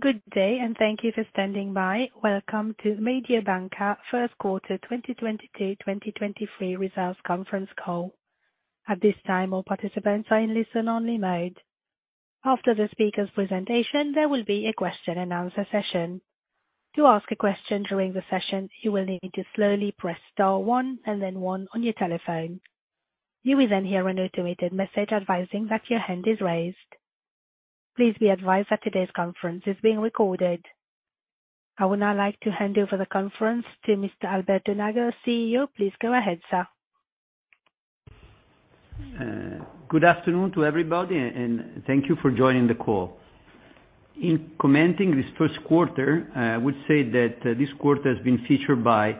Good day, thank you for standing by. Welcome to Mediobanca first quarter 2022/2023 results conference call. At this time, all participants are in listen-only mode. After the speaker's presentation, there will be a question-and-answer session. To ask a question during the session, you will need to slowly press star one, and then one on your telephone. You will then hear an automated message advising that your hand is raised. Please be advised that today's conference is being recorded. I would now like to hand over the conference to Mr. Alberto Nagel, CEO. Please go ahead, sir. Good afternoon to everybody, and thank you for joining the call. In commenting this first quarter, I would say that this quarter has been featured by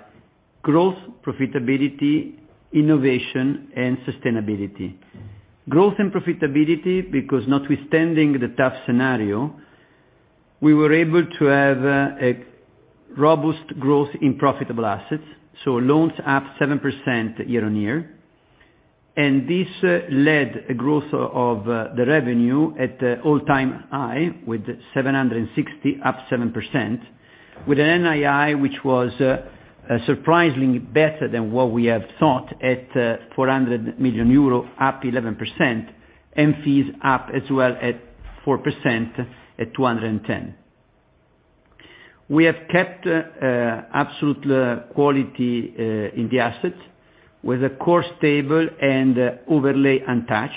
growth, profitability, innovation and sustainability. Growth and profitability, because notwithstanding the tough scenario, we were able to have a robust growth in profitable assets, so loans up 7% year-on-year. This led a growth of the revenue at the all-time high with 760 million, up 7%, with an NII which was surprisingly better than what we have thought at 400 million euro, up 11%, and fees up as well at 4% at 210 million. We have kept absolute quality in the assets with a core stable and overlay untouched.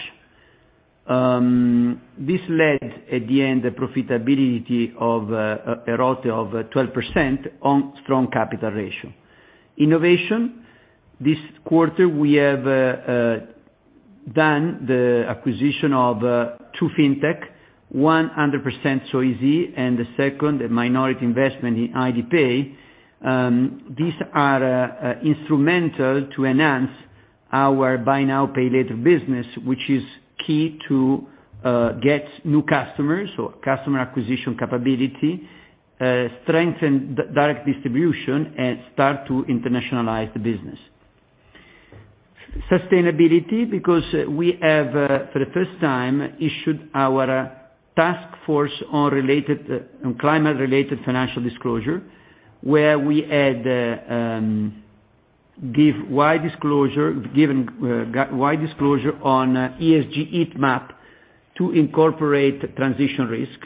This led at the end to the profitability of a ROTE of 12% on strong capital ratio. Innovation, this quarter we have done the acquisition of two fintech, 100% Soisy, and the second, a minority investment in HeidiPay. These are instrumental to enhance our Buy Now Pay Later business, which is key to get new customers or customer acquisition capability, strengthen direct distribution, and start to internationalize the business. Sustainability, because we have, for the first time, issued our Task Force on Climate-related Financial Disclosures, where we had given wide disclosure, given wide disclosure on ESG heat map to incorporate transition risk.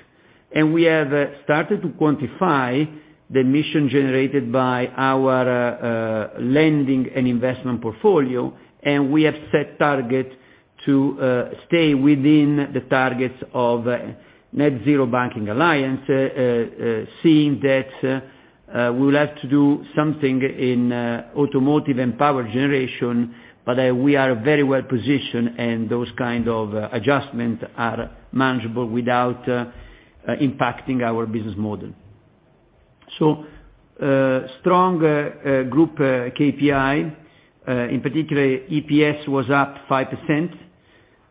We have started to quantify the emissions generated by our lending and investment portfolio, and we have set targets to stay within the targets of Net-Zero Banking Alliance, seeing that we will have to do something in automotive and power generation, but we are very well-positioned, and those kind of adjustments are manageable without impacting our business model. Strong group KPI. In particular, EPS was up 5%,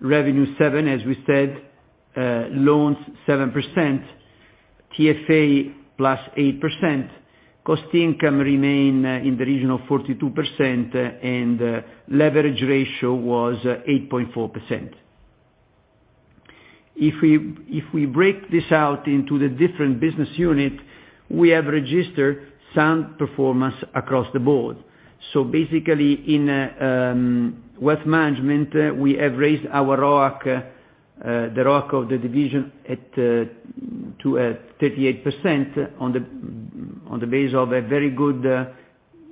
revenue 7% as we said, loans 7%, TFA +8%, cost/income remains in the region of 42%, and leverage ratio was 8.4%. If we break this out into the different business unit, we have registered sound performance across the board. Basically in wealth management, we have raised our ROAC, the ROAC of the division to 38% on the basis of a very good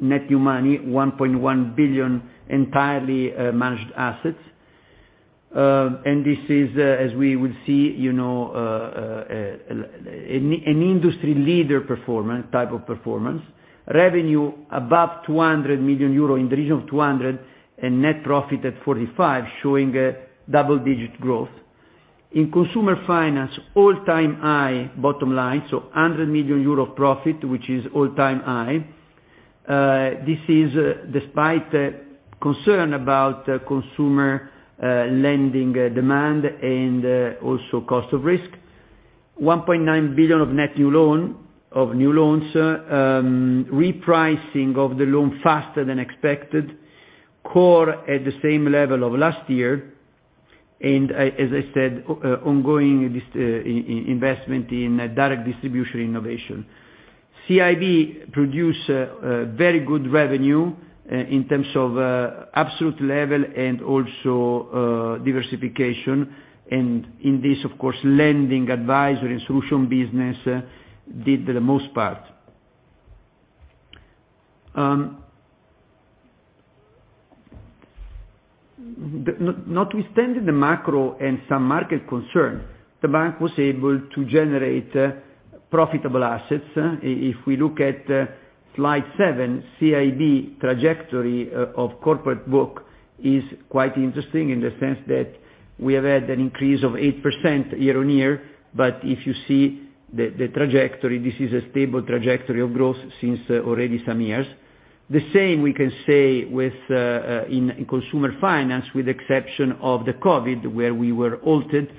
net new money, 1.1 billion entirely managed assets. This is, as we will see, you know, an industry leader performance, type of performance. Revenue above 200 million euro, in the region of 200, and net profit at 45 million, showing a double-digit growth. In consumer finance, all-time high bottom line, so 100 million euro profit, which is all-time high. This is despite concern about consumer lending demand and also cost of risk. 1.9 billion of net new loans. Repricing of the loan faster than expected. Core at the same level of last year, and, as I said, ongoing, this investment in direct distribution innovation. CIB produce very good revenue in terms of absolute level and also diversification. In this, of course, lending advisory solution business did the most part. Notwithstanding the macro and some market concern, the bank was able to generate profitable assets. If we look at slide seven, CIB trajectory of corporate book is quite interesting in the sense that we have had an increase of 8% year-on-year. If you see the trajectory, this is a stable trajectory of growth since already some years. The same we can say with in consumer finance, with exception of the COVID, where we were halted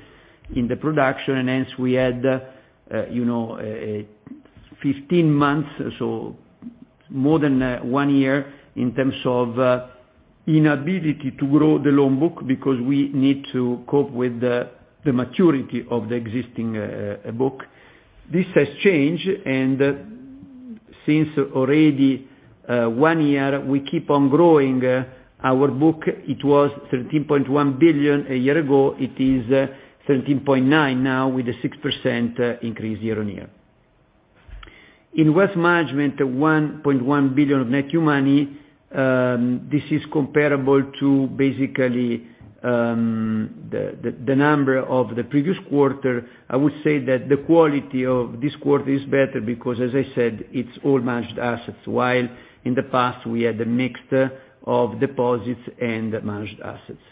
in the production, and hence we had you know 15 months, so more than one year in terms of inability to grow the loan book because we need to cope with the maturity of the existing book. This has changed, and since already one year, we keep on growing our book. It was 13.1 billion a year ago. It is 13.9 billion now with a 6% increase year-on-year. In wealth management, 1.1 billion of net new money, this is comparable to basically the number of the previous quarter. I would say that the quality of this quarter is better because, as I said, it's all managed assets, while in the past we had a mix of deposits and managed assets.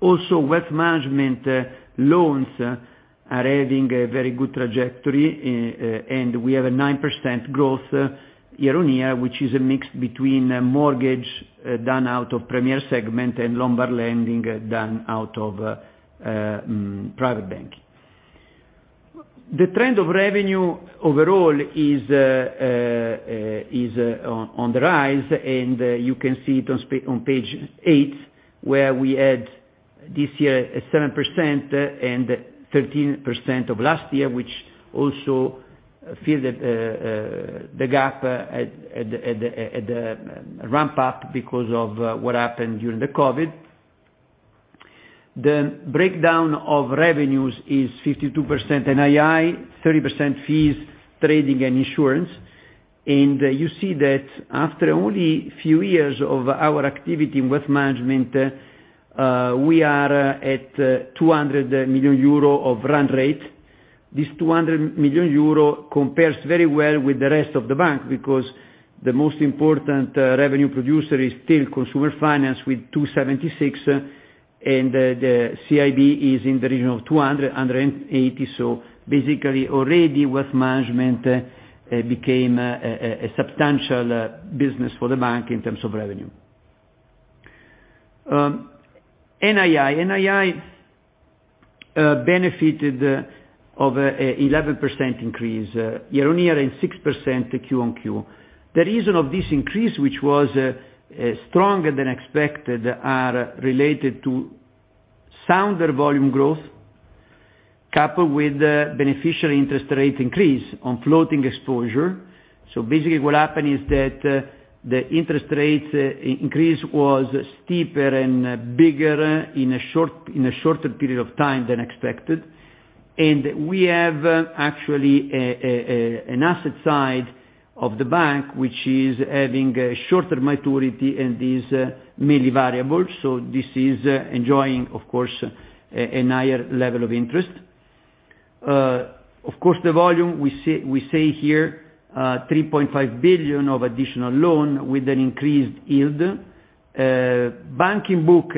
Also, Wealth Management loans are having a very good trajectory, and we have a 9% growth year-on-year, which is a mix between mortgage done out of premier segment and Lombard lending done out of private banking. The trend of revenue overall is on the rise, and you can see it on page eight, where we had this year a 7% and 15% of last year, which also filled the gap at the ramp up because of what happened during the COVID. The breakdown of revenues is 52% NII, 30% fees, trading, and insurance. You see that after only a few years of our activity in Wealth Management, we are at 200 million euro of run rate. This 200 million euro compares very well with the rest of the bank because the most important revenue producer is still Consumer Finance with 276 million, and the CIB is in the region of 200 million-280 million. Basically, already Wealth Management became a substantial business for the bank in terms of revenue. NII benefited from a 11% increase year-on-year and 6% quarter-on-quarter. The reason of this increase, which was stronger than expected, are related to stronger volume growth coupled with beneficial interest rate increase on floating exposure. Basically what happened is that the interest rate increase was steeper and bigger in a shorter period of time than expected. We have actually an asset side of the bank, which is having a shorter maturity and is mainly variable. This is enjoying, of course, a higher level of interest. Of course, the volume we see, we say here, 3.5 billion of additional loan with an increased yield. Banking book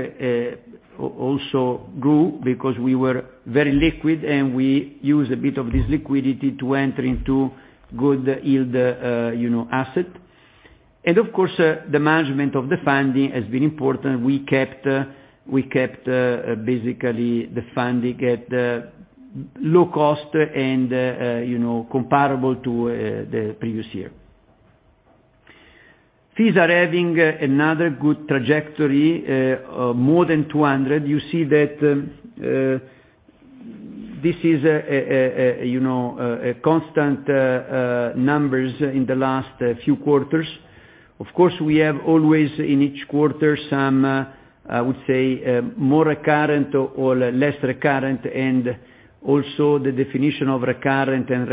also grew because we were very liquid, and we used a bit of this liquidity to enter into good yield, you know, asset. Of course, the management of the funding has been important. We kept basically the funding at low cost and, you know, comparable to the previous year. Fees are having another good trajectory, more than 200. You see that this is, you know, a constant numbers in the last few quarters. Of course, we have always in each quarter some, I would say, more recurrent or less recurrent, and also the definition of recurrent and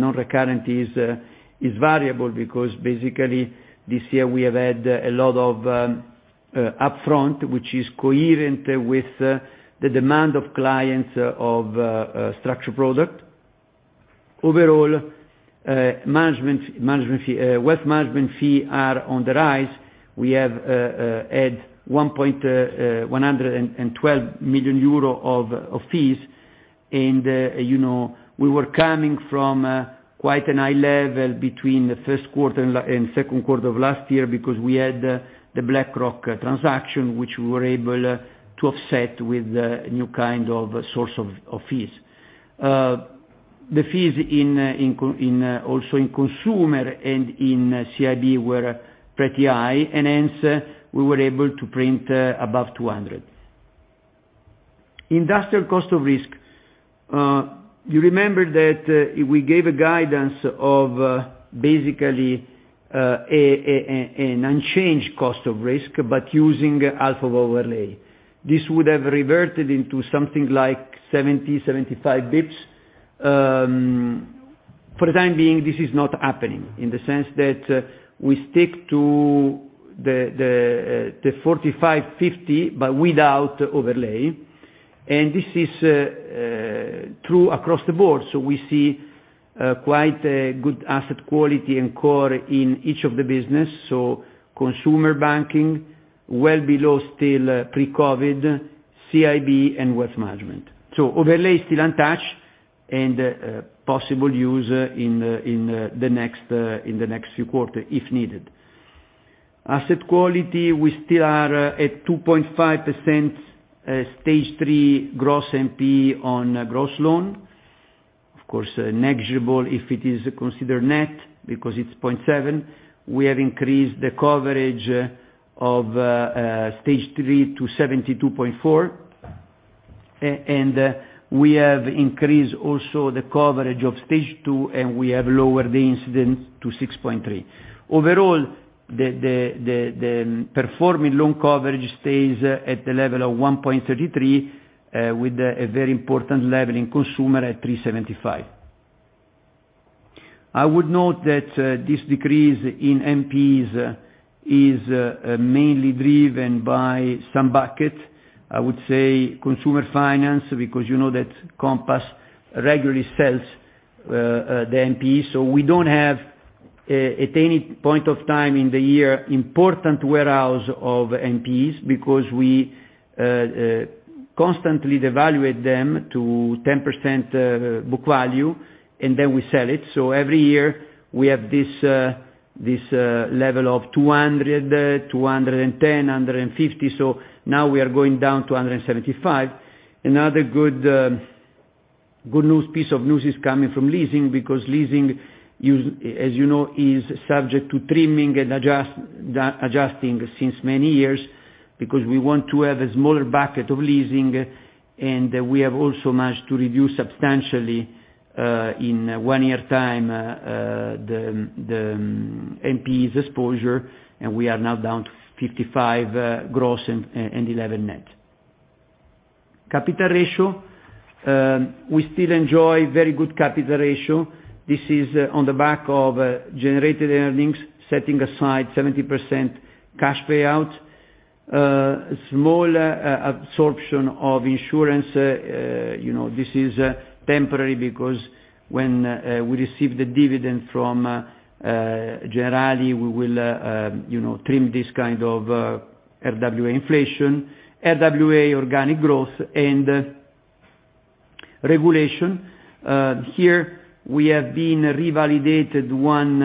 non-recurrent is variable because basically this year we have had a lot of upfront, which is coherent with the demand of clients of a structured product. Overall, management fee, wealth management fee are on the rise. We have added 112 million euro of fees. You know, we were coming from quite a high level between the first quarter and second quarter of last year because we had the BlackRock transaction, which we were able to offset with a new kind of source of fees. The fees in also in consumer and in CIB were pretty high, and hence we were able to print above 200 basis points. Industrial cost of risk. You remember that we gave a guidance of basically an unchanged cost of risk, but using half of overlay. This would have reverted into something like 70-75 basis points. For the time being, this is not happening in the sense that we stick to the 45-50 basis points, but without overlay. This is true across the board. We see quite a good asset quality and core in each of the business. Consumer banking well below still pre-COVID, CIB, and wealth management. Overlay is still untouched and possible use in the next few quarter, if needed. Asset quality, we still are at 2.5%, stage three gross NPE on gross loan. Of course, negligible if it is considered net, because it's 0.7%. We have increased the coverage of stage three to 72.4%. We have increased also the coverage of stage two, and we have lowered the incidence to 6.3%. Overall, the performing loan coverage stays at the level of 1.33%, with a very important level in consumer at 3.75%. I would note that this decrease in NPEs is mainly driven by some bucket. I would say consumer finance, because you know that Compass regularly sells the NPE. We don't have at any point of time in the year important warehouse of NPEs because we constantly devalue them to 10% book value, and then we sell it. Every year we have this level of 200 million, 210 million, 150 million. Now we are going down to 175 million. Another good news, piece of news is coming from leasing, because leasing, as you know, is subject to trimming and adjusting since many years because we want to have a smaller bucket of leasing, and we have also managed to reduce substantially in one-year time the NPE exposure, and we are now down to 55 million gross and 11 million net. Capital ratio. We still enjoy very good capital ratio. This is on the back of generated earnings, setting aside 70% cash payout. Small absorption of insurance, you know, this is temporary because when we receive the dividend from Generali, we will, you know, trim this kind of RWA inflation, RWA organic growth and regulation. Here we have been revalidated one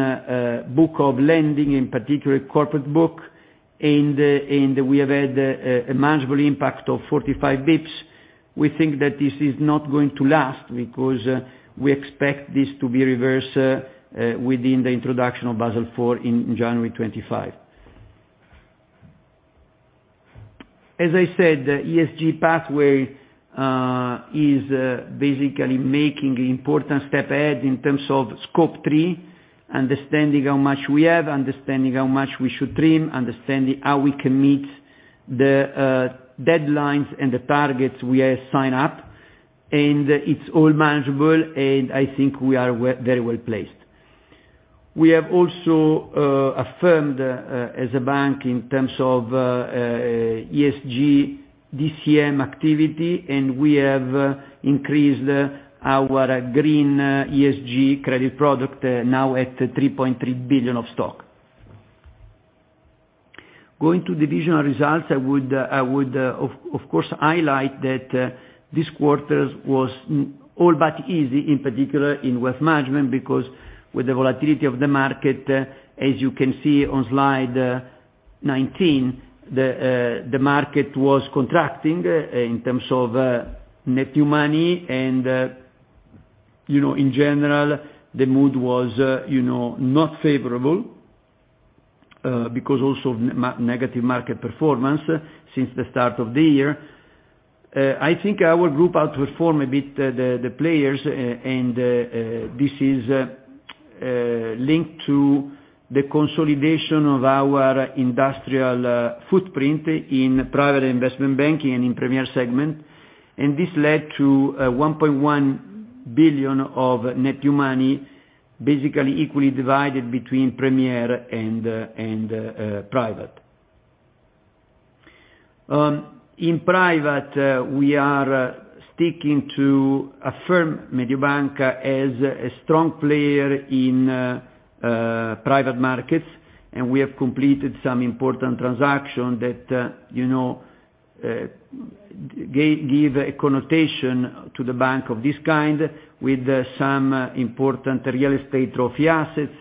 book of lending, in particular corporate book, and we have had a manageable impact of 45 basis points. We think that this is not going to last because we expect this to be reversed within the introduction of Basel IV in January 2025. As I said, the ESG pathway is basically making important step ahead in terms of scope three, understanding how much we have, understanding how much we should trim, understanding how we can meet the deadlines and the targets we have signed up. It's all manageable, and I think we are very well-placed. We have also affirmed as a bank in terms of ESG DCM activity, and we have increased our green ESG credit product now at 3.3 billion of stock. Going to divisional results, I would of course highlight that this quarter was all but easy, in particular in wealth management, because with the volatility of the market, as you can see on slide 19, the market was contracting in terms of net new money. You know, in general, the mood was, you know, not favorable, because also negative market performance since the start of the year. I think our group outperform a bit the players, and this is linked to the consolidation of our institutional footprint in private investment banking and in premier segment. This led to 1.1 billion of net new money, basically equally divided between premier and private. In private, we are sticking to a firm Mediobanca as a strong player in private markets, and we have completed some important transaction that, you know, give a connotation to the bank of this kind with some important real estate trophy assets,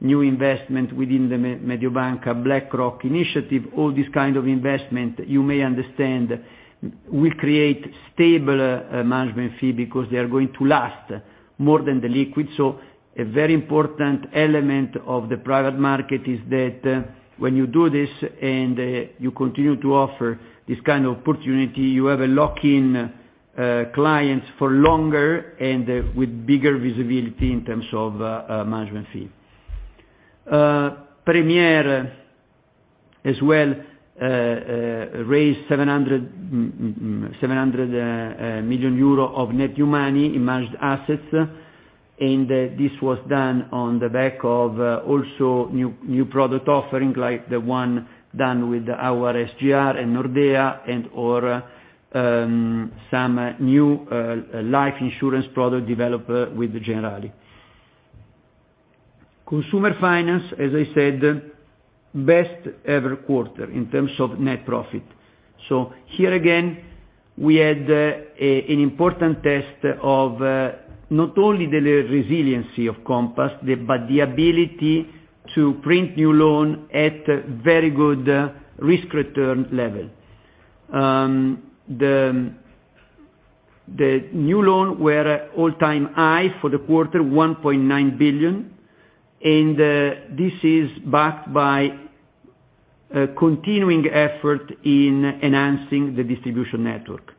new investment within the Mediobanca BlackRock initiative. All this kind of investment, you may understand, will create stable management fee because they are going to last more than the liquid. A very important element of the private market is that when you do this and you continue to offer this kind of opportunity, you have a lock in clients for longer and with bigger visibility in terms of management fee. Premier as well raised 700 million euro of net new money in managed assets, and this was done on the back of also new product offerings like the one done with our SGR and Nordea and or some new life insurance product developed with Generali. Consumer finance, as I said, best ever quarter in terms of net profit. Here again, we had an important test of not only the resiliency of Compass, but the ability to print new loan at very good risk return level. The new loan were all-time high for the quarter, 1.9 billion, and this is backed by a continuing effort in enhancing the distribution network.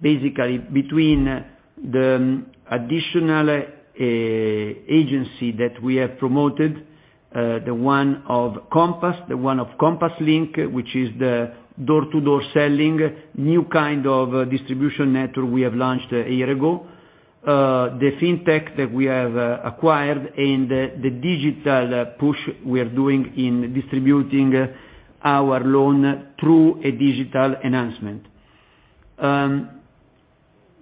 Basically, between the additional agency that we have promoted, the one of Compass, the one of Compass Link, which is the door-to-door selling, new kind of distribution network we have launched a year ago, the fintech that we have acquired and the digital push we are doing in distributing our loan through a digital enhancement.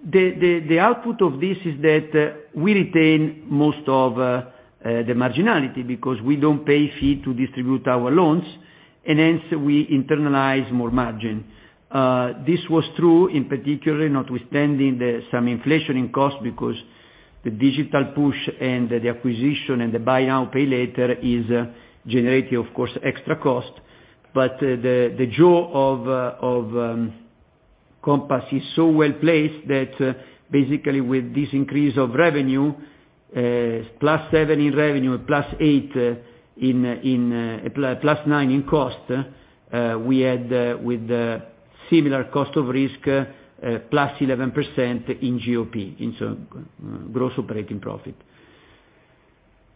The output of this is that we retain most of the marginality because we don't pay fee to distribute our loans, and hence we internalize more margin. This was true, in particular, notwithstanding some inflation in cost because the digital push and the acquisition and the Buy Now Pay Later is generating, of course, extra cost. The jewel of Compass is so well-placed that basically with this increase of revenue +7% in revenue, +8%, +9% in cost, we had with the similar cost of risk +11% in GOP, in short, gross operating profit.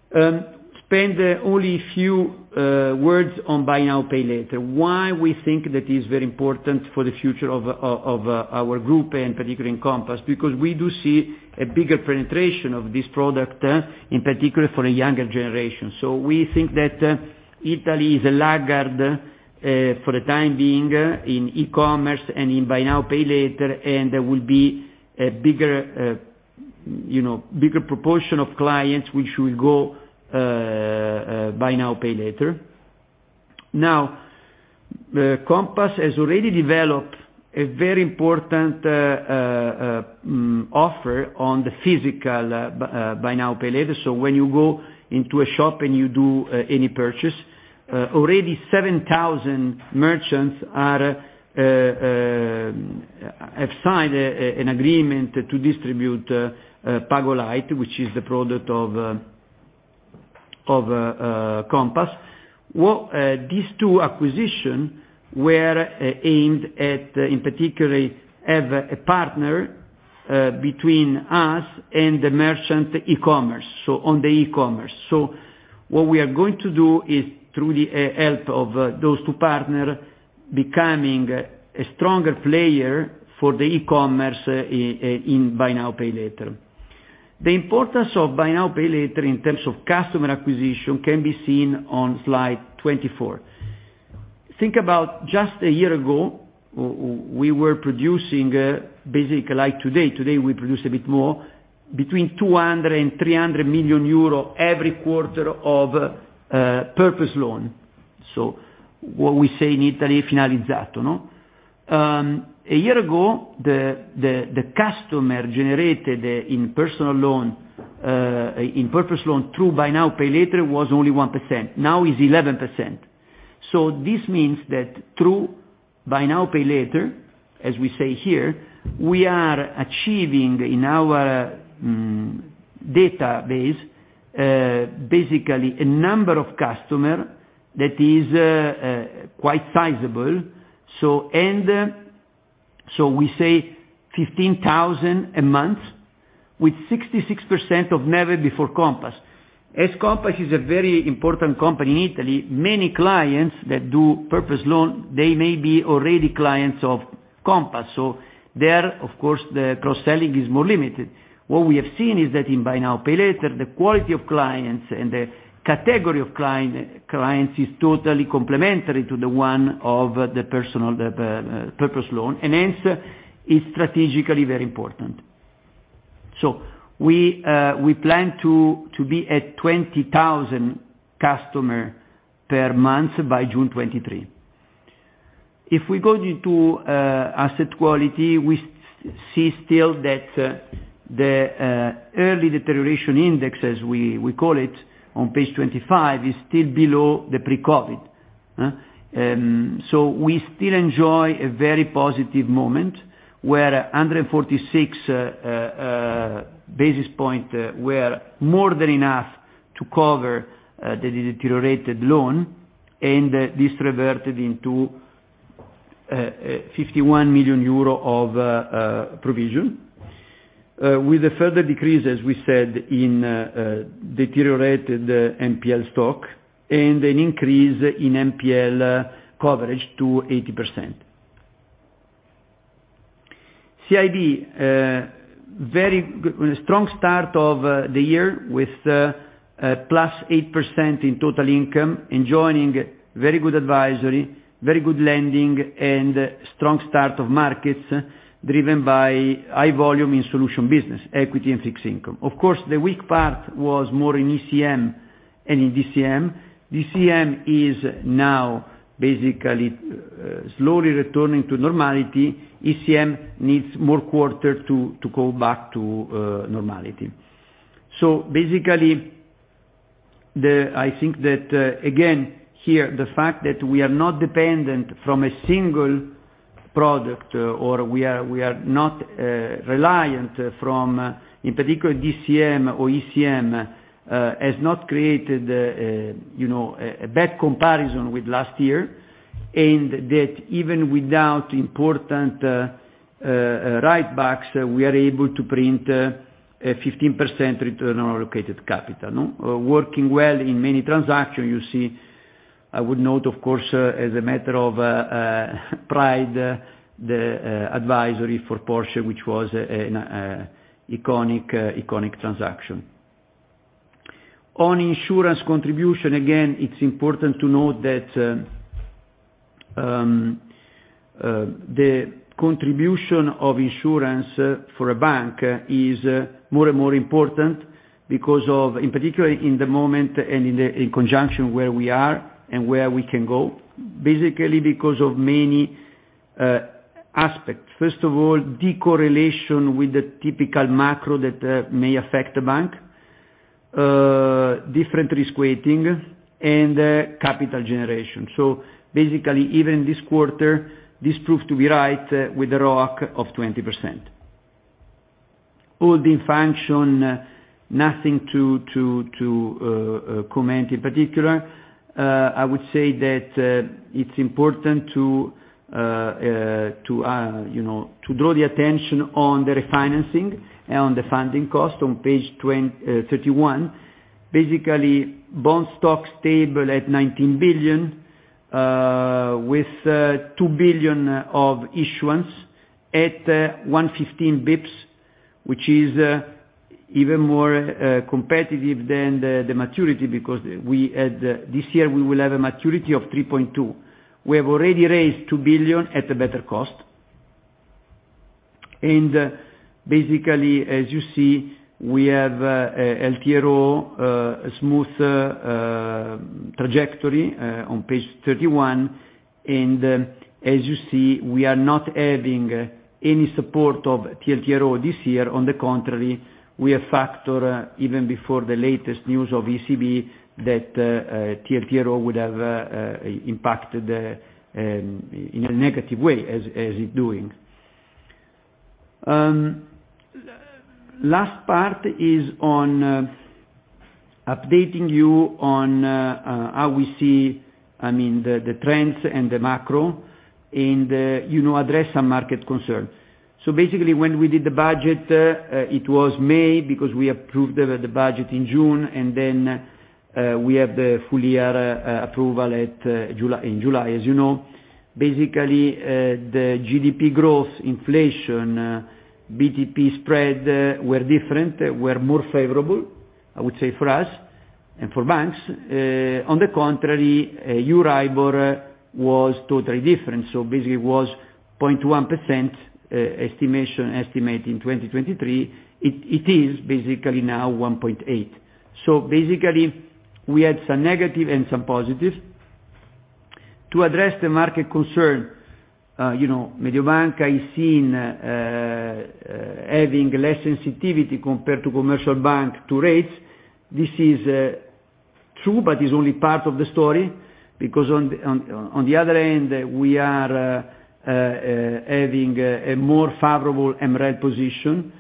Spend only a few words on Buy Now Pay Later. Why we think that is very important for the future of our group and particularly in Compass, because we do see a bigger penetration of this product in particular for a younger generation. We think that Italy is a laggard for the time being in e-commerce and in Buy Now Pay Later, and there will be a bigger you know bigger proportion of clients which will go Buy Now Pay Later. Now, Compass has already developed a very important offer on the physical Buy Now Pay Later. When you go into a shop and you do any purchase, already 7,000 merchants have signed an agreement to distribute PagoLight, which is the product of Compass. What these two acquisition were aimed at, in particular, have a partner between us and the merchant e-commerce, so on the e-commerce. What we are going to do is, through the help of those two partner, becoming a stronger player for the e-commerce in Buy Now Pay Later. The importance of Buy Now Pay Later in terms of customer acquisition can be seen on slide 24. Think about just a year ago, we were producing basically like today we produce a bit more, between 200 million euro and 300 million euro every quarter of purpose loan. What we say in Italy, finalizzato, no? A year ago, the customer generated in personal loan in purpose loan through Buy Now Pay Later was only 1%. Now it's 11%. This means that through Buy Now Pay Later, as we say here, we are achieving in our database basically a number of customer that is quite sizable. We say 15,000 a month, with 66% of never before Compass. As Compass is a very important company in Italy, many clients that do purpose loan, they may be already clients of Compass. There, of course, the cross-selling is more limited. What we have seen is that in Buy Now Pay Later, the quality of clients and the category of clients is totally complementary to the one of the personal purpose loan, and hence is strategically very important. We plan to be at 20,000 customer per month by June 2023. If we go into asset quality, we see still that the early deterioration index, as we call it on page 25, is still below the pre-COVID. So we still enjoy a very positive moment, where 146 basis points were more than enough to cover the deteriorated loan, and this reverted into EUR 51 million of provision. With a further decrease, as we said, in deteriorated NPL stock and an increase in NPL coverage to 80%. CIB very strong start of the year with +8% in total income, enjoying very good advisory, very good lending and strong start of markets driven by high volume in solution business, equity and fixed income. Of course, the weak part was more in ECM and in DCM. DCM is now basically slowly returning to normality. ECM needs more quarters to go back to normality. Basically, I think that again here the fact that we are not dependent on a single product or we are not reliant on in particular DCM or ECM has not created you know a bad comparison with last year. That even without important writebacks we are able to print a 15% return on allocated capital, no? Working well in many transactions, you see, I would note, of course, as a matter of pride, the advisory for Porsche, which was an iconic transaction. On insurance contribution, again, it's important to note that, the contribution of insurance, for a bank is more and more important because of, in particular in the moment and in the, in conjunction where we are and where we can go, basically because of many, aspects. First of all, decorrelation with the typical macro that, may affect the bank, different risk weighting and, capital generation. Basically, even this quarter, this proved to be right with the ROIC of 20%. Holding function, nothing to comment in particular. I would say that, it's important to, you know, to draw the attention on the refinancing and on the funding cost on page 31. Basically, bond stock stable at 19 billion, with two billion of issuance at 115 basis points, which is even more competitive than the maturity, because we had, this year we will have a maturity of 3.2. We have already raised 2 billion at a better cost. Basically, as you see, we have LTRO a smooth trajectory on page 31. As you see, we are not having any support of TLTRO this year. On the contrary, we factored, even before the latest news of ECB, that TLTRO would have impacted in a negative way as it is doing. Last part is on updating you on how we see, I mean, the trends and the macro and, you know, address some market concern. Basically, when we did the budget, it was May because we approved the budget in June, and then we have the full year approval in July. As you know, basically the GDP growth, inflation, BTP spread were different, were more favorable, I would say for us and for banks. On the contrary, Euribor was totally different. Basically, it was 0.1% estimate in 2023. It is basically now 1.8%. Basically, we had some negative and some positive. To address the market concern, you know, Mediobanca is seen having less sensitivity compared to commercial bank to rates. This is true, but is only part of the story. Because on the other hand, we are having a more favorable MREL position.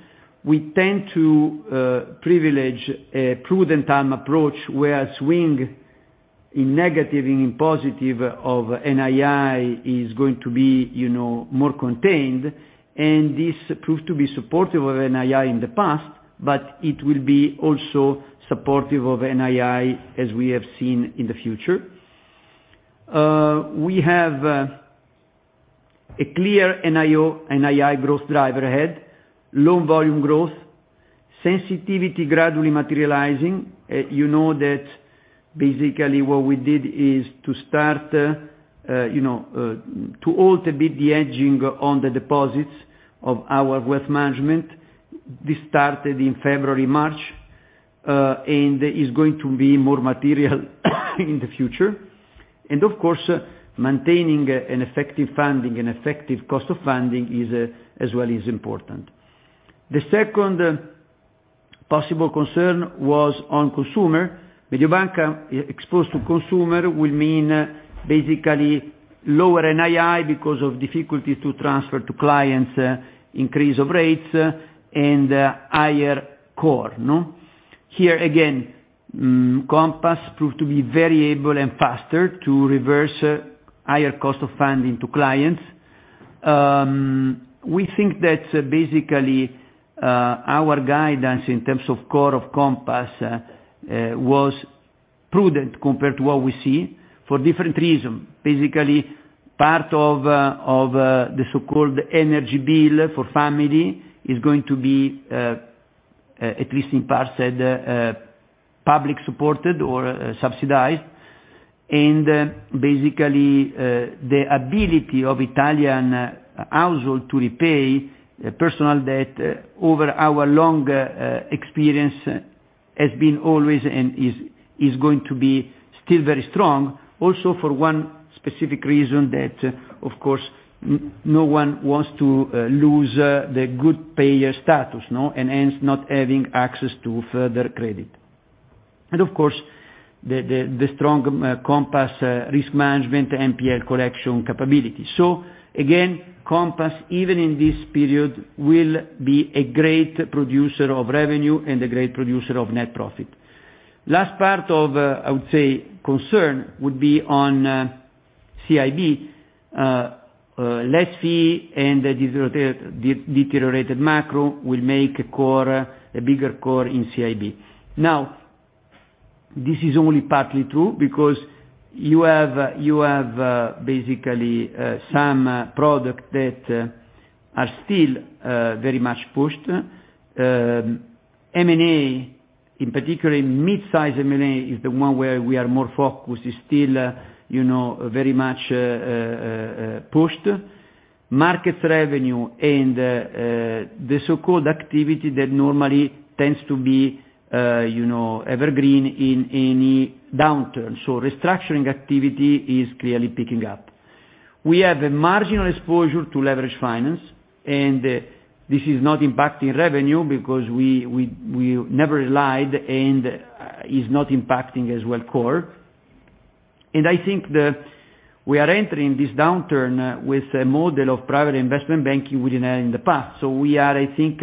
We tend to privilege a prudent time approach where swing in negative and in positive of NII is going to be more contained, and this proved to be supportive of NII in the past, but it will be also supportive of NII as we have seen in the future. We have a clear NII growth driver ahead, low volume growth, sensitivity gradually materializing. You know that basically what we did is to start, you know, to alter a bit the hedging on the deposits of our wealth management. This started in February, March, and is going to be more material in the future. Of course, maintaining an effective funding, an effective cost of funding is, as well, important. The second possible concern was on consumer. Mediobanca exposed to consumer will mean basically lower NII because of difficulty to transfer to clients increase of rates and higher cost, no? Here again, Compass proved to be very able and faster to reverse higher cost of funding to clients. We think that basically our guidance in terms of cost of Compass was prudent compared to what we see for different reason. Basically, part of the so-called energy bill for family is going to be at least in part paid publicly supported or subsidized. Basically, the ability of Italian household to repay personal debt over our long experience has been always and is going to be still very strong, also for one specific reason that, of course, no one wants to lose the good payer status, no? Hence not having access to further credit. Of course, the strong Compass risk management, NPL collection capability. Again, Compass, even in this period, will be a great producer of revenue and a great producer of net profit. Last part of, I would say, concern would be on CIB. Less fee and a deteriorated macro will make a bigger core in CIB. Now, this is only partly true because you have basically some product that are still very much pushed. M&A, in particular mid-size M&A is the one where we are more focused, is still, you know, very much pushed. Markets revenue and the so-called activity that normally tends to be, you know, evergreen in any downturn. Restructuring activity is clearly picking up. We have a marginal exposure to leveraged finance, and this is not impacting revenue because we never relied and is not impacting as well core. I think that we are entering this downturn with a model of private investment banking we didn't have in the past. We are, I think,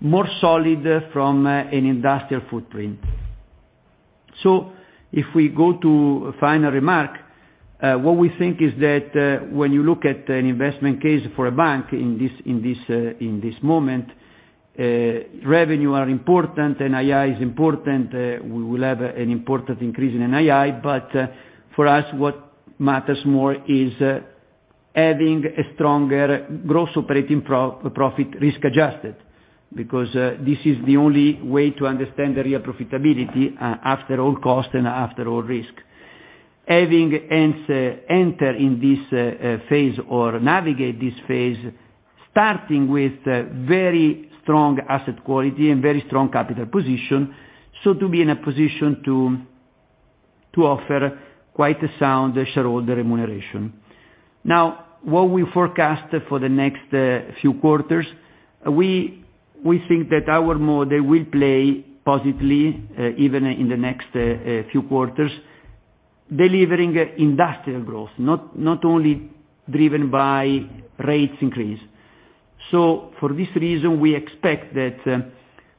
more solid from an industrial footprint. If we go to final remark, what we think is that when you look at an investment case for a bank in this moment, revenue are important, NII is important. We will have an important increase in NII. For us, what matters more is having a stronger gross operating profit risk-adjusted, because this is the only way to understand the real profitability after all cost and after all risk. Having entered in this phase or navigate this phase, starting with very strong asset quality and very strong capital position. To be in a position to offer quite a sound shareholder remuneration. Now, what we forecast for the next few quarters, we think that our model will play positively, even in the next few quarters, delivering industrial growth, not only driven by rates increase. For this reason, we expect that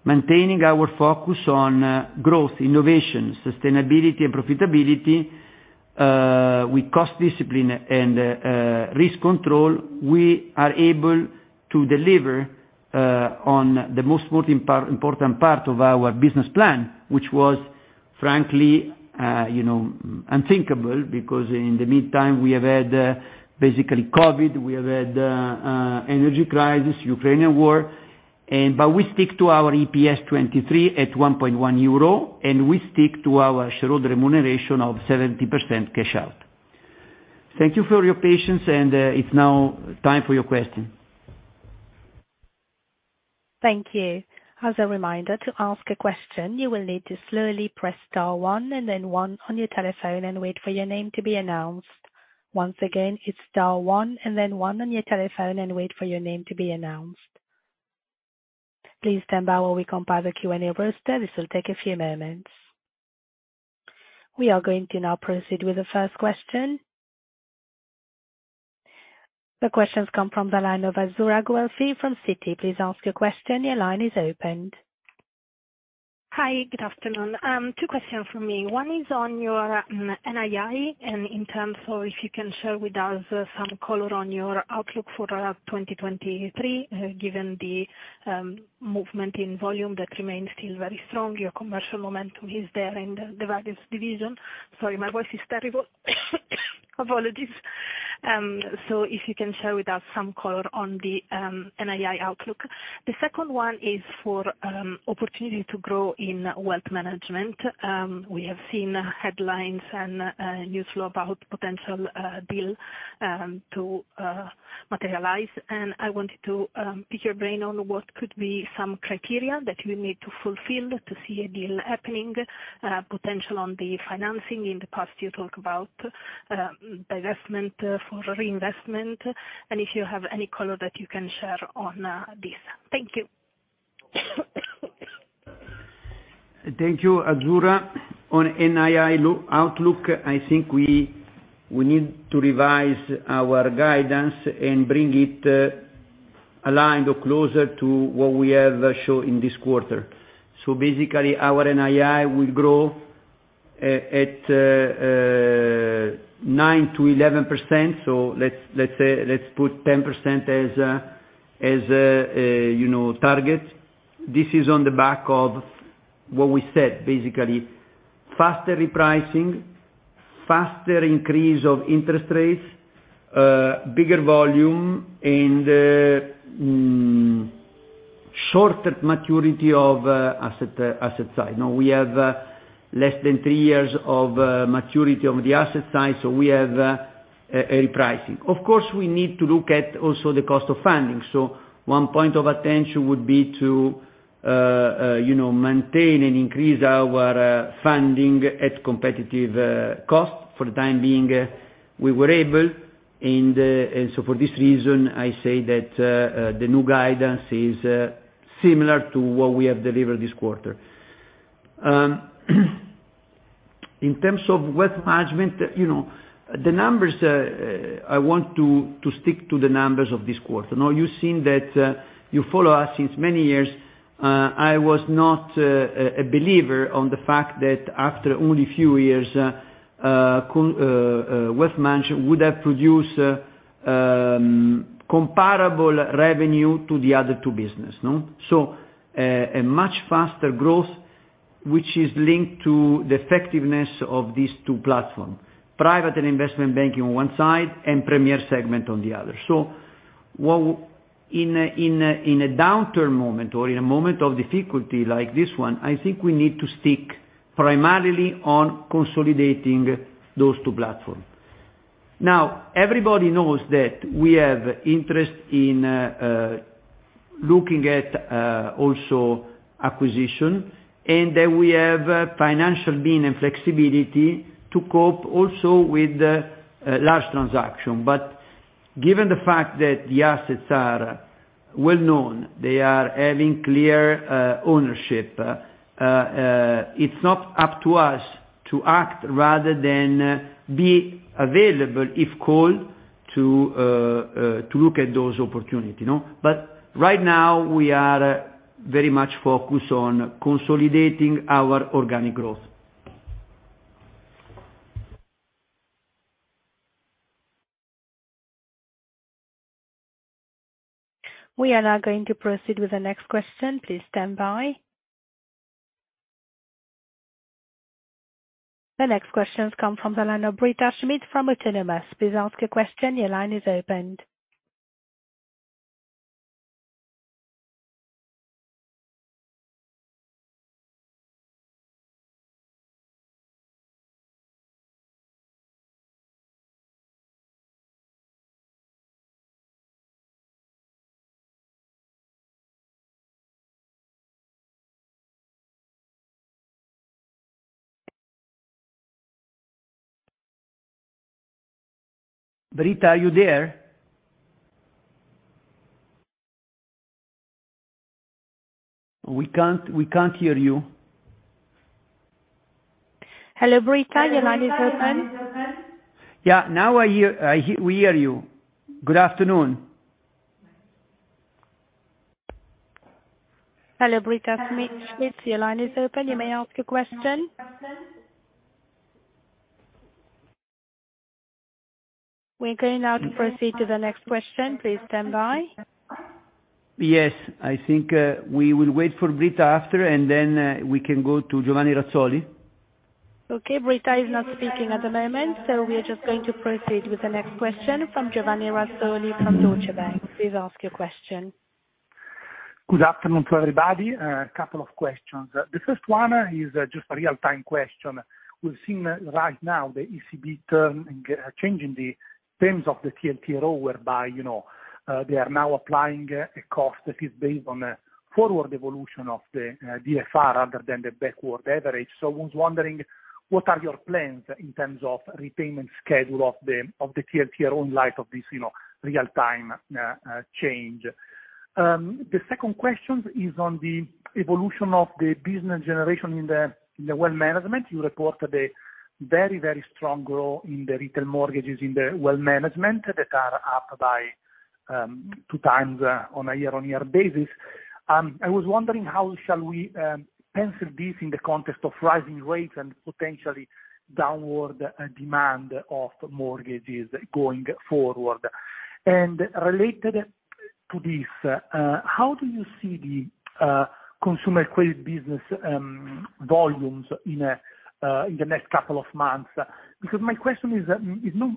maintaining our focus on growth, innovation, sustainability and profitability, with cost discipline and risk control, we are able to deliver on the most important part of our business plan, which was frankly, you know, unthinkable, because in the meantime, we have had basically COVID, we have had energy crisis, Ukrainian war. We stick to our EPS 2023 at 1.1 euro, and we stick to our shareholder remuneration of 70% cash out. Thank you for your patience, and it's now time for your questions. Thank you. As a reminder, to ask a question, you will need to slowly press star one and then one on your telephone and wait for your name to be announced. Once again, it's star one and then one on your telephone and wait for your name to be announced. Please stand by while we compile the Q&A roster. This will take a few moments. We are going to now proceed with the first question. The questions come from the line of Azzurra Guelfi from Citi. Please ask your question. Your line is open. Hi, good afternoon. Two questions from me. One is on your NII, and in terms of if you can share with us some color on your outlook for 2023, given the movement in volume that remains still very strong, your commercial momentum is there in the various division. Sorry, my voice is terrible. Apologies. So if you can share with us some color on the NII outlook. The second one is for opportunity to grow in Wealth Management. We have seen headlines and news flow about potential deal to materialize. I wanted to pick your brain on what could be some criteria that you need to fulfill to see a deal happening, potential on the financing. In the past, you talked about divestment for reinvestment, and if you have any color that you can share on this. Thank you. Thank you, Azzurra. On NII outlook, I think we need to revise our guidance and bring it aligned or closer to what we have shown in this quarter. Basically, our NII will grow at 9%-11%. Let's say, let's put 10% as you know target. This is on the back of what we said, basically. Faster repricing, faster increase of interest rates, bigger volume and shorter maturity of asset side. Now we have less than three years of maturity of the asset side, so we have a repricing. Of course, we need to look at also the cost of funding. One point of attention would be to maintain and increase our funding at competitive cost. For the time being, we were able and for this reason, I say that, the new guidance is, similar to what we have delivered this quarter. In terms of wealth management, you know, the numbers, I want to stick to the numbers of this quarter. Now, you've seen that, you follow us since many years, I was not a believer on the fact that after only a few years, wealth management would have produced, comparable revenue to the other two business, no? A much faster growth, which is linked to the effectiveness of these two platform: private and investment banking on one side and premier segment on the other. In a downturn moment or in a moment of difficulty like this one, I think we need to stick primarily on consolidating those two platforms. Now, everybody knows that we have interest in looking at also acquisition, and that we have financial gain and flexibility to cope also with large transaction. Given the fact that the assets are well-known, they are having clear ownership, it's not up to us to act rather than be available if called to look at those opportunities, you know. Right now, we are very much focused on consolidating our organic growth. We are now going to proceed with the next question. Please stand by. The next question comes from the line of Britta Schmidt from Autonomous. Please ask your question. Your line is open. Britta, are you there? We can't hear you. Hello, Britta. Your line is open. Yeah. We hear you. Good afternoon. Hello, Britta Schmidt. Your line is open. You may ask your question. We're going now to proceed to the next question. Please stand by. Yes. I think, we will wait for Britta after, and then, we can go to Giovanni Razzoli. Okay. Britta is not speaking at the moment, so we are just going to proceed with the next question from Giovanni Razzoli from Deutsche Bank. Please ask your question. Good afternoon to everybody. A couple of questions. The first one is just a real-time question. We've seen right now the ECB changing the terms of the TLTRO, whereby they are now applying a cost that is based on a forward evolution of the DFR rather than the backward average. I was wondering, what are your plans in terms of repayment schedule of the TLTRO in light of this real-time change? The second question is on the evolution of the business generation in the Wealth Management. You reported a very, very strong growth in the retail mortgages in the Wealth Management that are up by 2 times on a year-on-year basis. I was wondering how shall we pencil this in the context of rising rates and potentially downward demand of mortgages going forward. Related to this, how do you see the consumer credit business volumes in the next couple of months? Because my question is,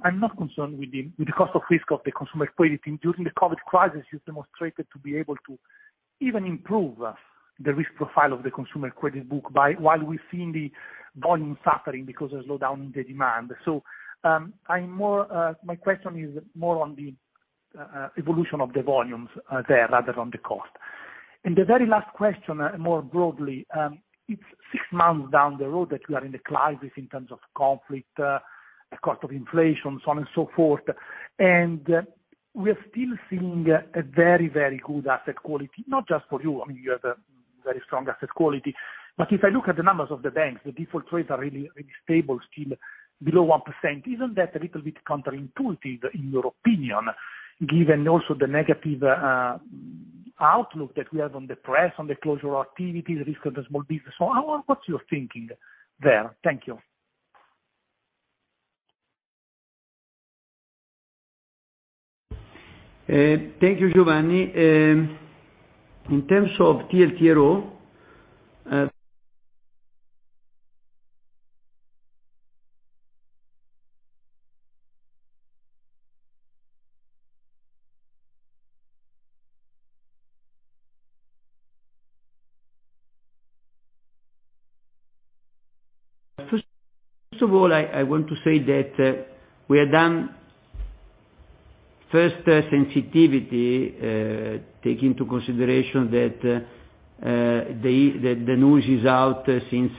I'm not concerned with the cost of risk of the consumer credit. During the COVID crisis, you've demonstrated to be able to even improve the risk profile of the consumer credit book while we've seen the volume suffering because of slowdown in the demand. I'm more, my question is more on the evolution of the volumes there rather than the cost. The very last question, more broadly, it's six months down the road that we are in the crisis in terms of conflict, cost of inflation, so on and so forth. We are still seeing a very, very good asset quality, not just for you. I mean, you have a very strong asset quality. If I look at the numbers of the banks, the default rates are really, really stable, still below 1%. Isn't that a little bit counterintuitive in your opinion, given also the negative outlook that we have in the press, on the closure activities, risk of the small business? What's your thinking there? Thank you. Thank you, Giovanni. In terms of TLTRO, first of all, I want to say that we have done first sensitivity take into consideration that that the news is out since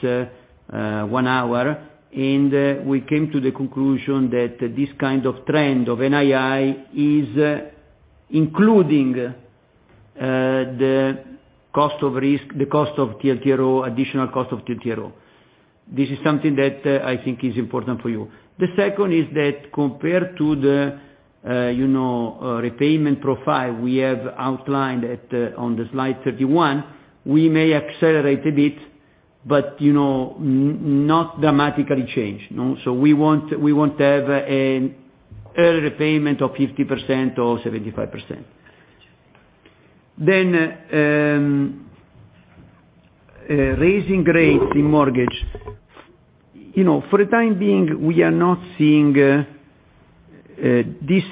one hour, and we came to the conclusion that this kind of trend of NII is including the cost of risk, the cost of TLTRO, additional cost of TLTRO. This is something that I think is important for you. The second is that compared to the, you know, repayment profile we have outlined on the slide 31, we may accelerate a bit, but, you know, may not dramatically change, no. So we won't have an early repayment of 50% or 75%. Raising rates in mortgage. You know, for the time being, we are not seeing this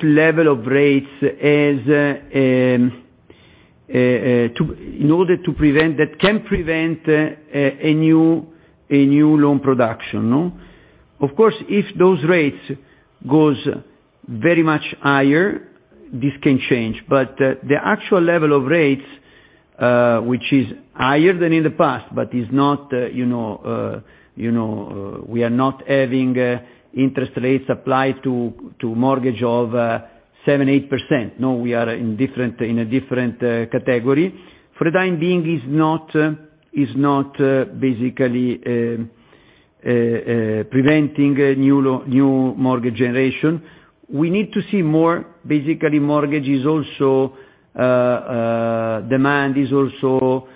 level of rates as that can prevent a new loan production, no? Of course, if those rates goes very much higher, this can change. The actual level of rates, which is higher than in the past, but is not, you know, we are not having interest rates applied to mortgage of 7%-8%. No, we are in a different category. For the time being is not basically preventing a new mortgage generation. We need to see more, basically. Mortgage demand is also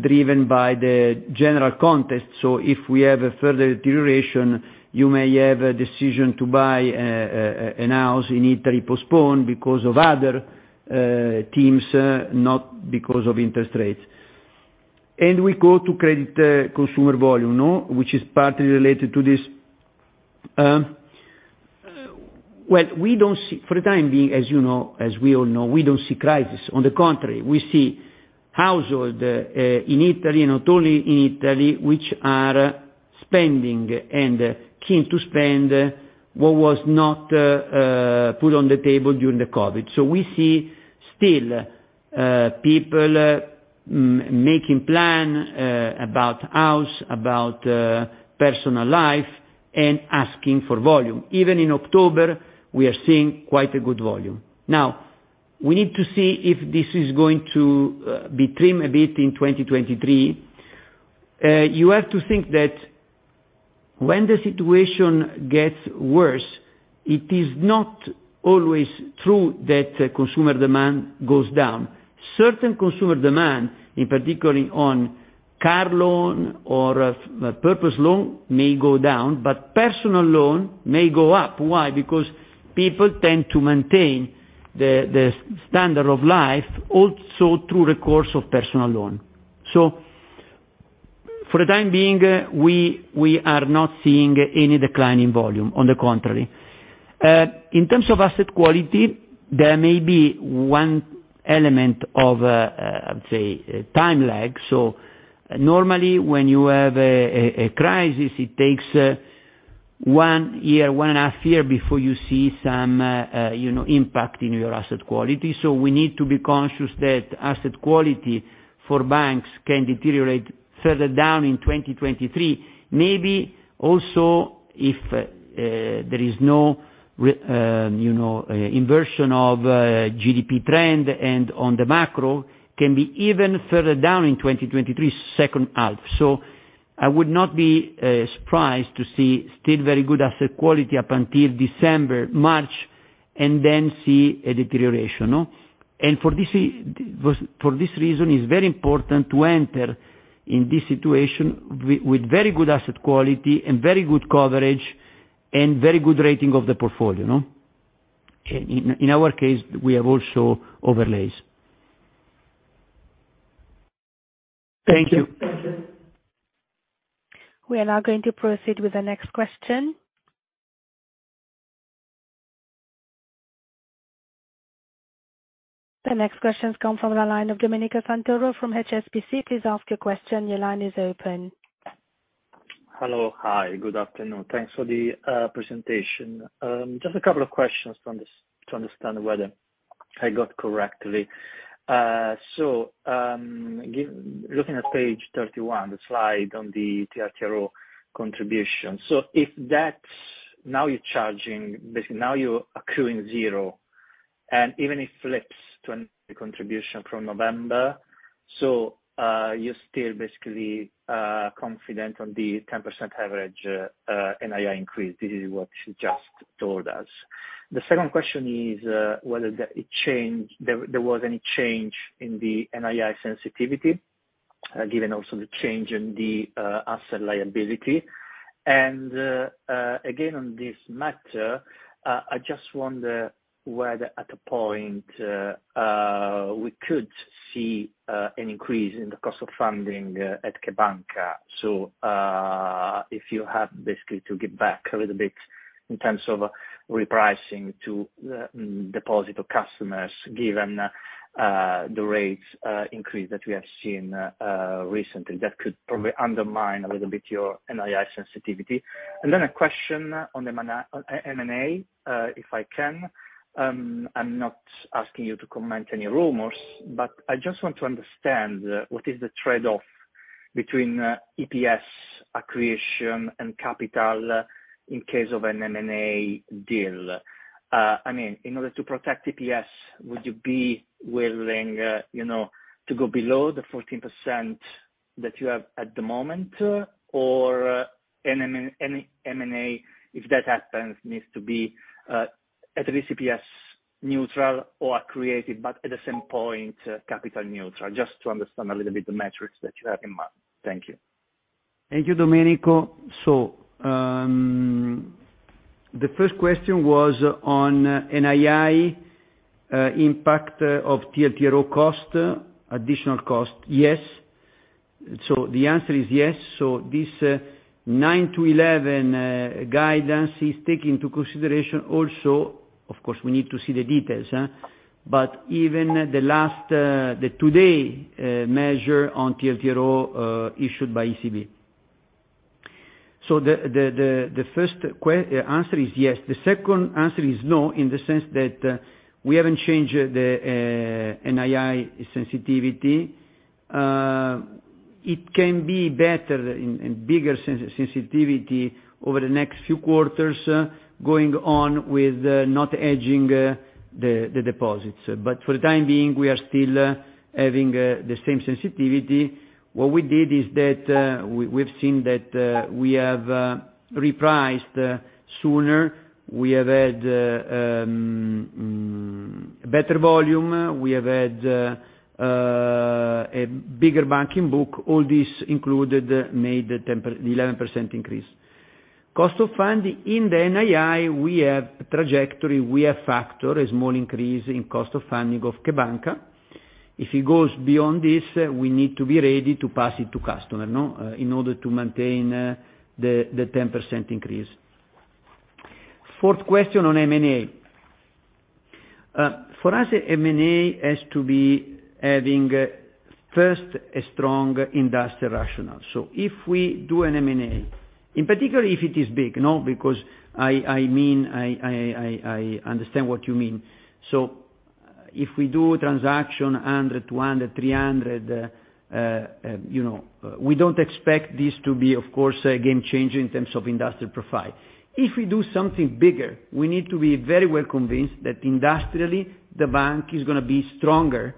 driven by the general context. If we have a further deterioration, you may have a decision to buy a house in Italy postponed because of other things, not because of interest rates. We go to consumer credit volume, no? Which is partly related to this. For the time being, as you know, as we all know, we don't see crisis. On the contrary, we see households in Italy, not only in Italy, which are spending and keen to spend what was not put on the table during the COVID. We see still people making plans about house, about personal life and asking for volume. Even in October, we are seeing quite a good volume. Now, we need to see if this is going to be trimmed a bit in 2023. You have to think that when the situation gets worse, it is not always true that consumer demand goes down. Certain consumer demand, in particular on car loan or purpose loan may go down, but personal loan may go up. Why? Because people tend to maintain the standard of life also through the course of personal loan. For the time being, we are not seeing any decline in volume, on the contrary. In terms of asset quality, there may be one element of time lag. Normally when you have a crisis, it takes one year, one and half year before you see some impact in your asset quality. You know, we need to be conscious that asset quality for banks can deteriorate further down in 2023. Maybe also if there is no inversion of GDP trend and on the macro can be even further down in 2023 second half. I would not be surprised to see still very good asset quality up until December, March, and then see a deterioration. For this reason, it's very important to enter in this situation with very good asset quality and very good coverage and very good rating of the portfolio. In our case, we have also overlays. Thank you. We are now going to proceed with the next question. The next question comes from the line of Domenico Santoro from HSBC. Please ask your question. Your line is open. Hello. Hi, good afternoon. Thanks for the presentation. Just a couple of questions to understand whether I got correctly. Looking at page 31, the slide on the TLTRO contribution. If that's, now you're charging, basically, now you're accruing zero, and even if it flips to a contribution from November. You're still basically confident on the 10% average NII increase. This is what you just told us. The second question is whether there was any change in the NII sensitivity, given also the change in the asset liability. Again, on this matter, I just wonder whether at a point we could see an increase in the cost of funding the CheBanca!. If you have basically to give back a little bit. In terms of repricing to deposit of customers, given the rates increase that we have seen recently, that could probably undermine a little bit your NII sensitivity. A question on M&A, if I can. I'm not asking you to comment any rumors, but I just want to understand what is the trade-off between EPS accretion and capital in case of an M&A deal. I mean, in order to protect EPS, would you be willing, you know, to go below the 14% that you have at the moment, or an M&A, if that happens, needs to be at least EPS neutral or accretive, but at the same point, capital neutral? Just to understand a little bit the metrics that you have in mind. Thank you. Thank you, Domenico. The first question was on NII impact of TLTRO cost, additional cost. Yes. The answer is yes. This nine to 11 guidance is taking into consideration also, of course, we need to see the details. Even the last, the today's measure on TLTRO issued by ECB. The first answer is yes. The second answer is no, in the sense that we haven't changed the NII sensitivity. It can be better and bigger sensitivity over the next few quarters, going on with not hedging the deposits. For the time being, we are still having the same sensitivity. What we did is that we've seen that we have repriced sooner. We have had better volume. We have had a bigger banking book. All this included made the 11% increase. Cost of funding. In the NII, we have trajectory, we have factor, a small increase in cost of funding of CheBanca!. If it goes beyond this, we need to be ready to pass it to customer in order to maintain the 10% increase. Fourth question on M&A. For us, M&A has to be having first a strong industrial rationale. If we do an M&A, in particular, if it is big, you know, because I mean I understand what you mean. If we do a transaction 100, 200, 300, you know, we don't expect this to be, of course, a game changer in terms of industrial profile. If we do something bigger, we need to be very well convinced that industrially, the bank is gonna be stronger,